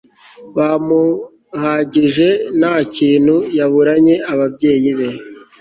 bamuhagije ntakintu yaburanye ababyeyi be